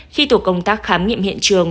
khi tổ công tác khám nghiệm hiện trường